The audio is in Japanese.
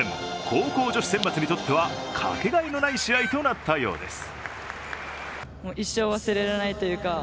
高校女子選抜にとってはかけがえのない試合となったようです。